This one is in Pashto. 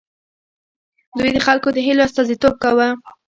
دوی د خلکو د هیلو استازیتوب کاوه.